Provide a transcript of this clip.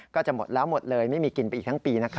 ก็จะหมดแล้วหมดเลยไม่มีกินไปอีกทั้งปีนะคะ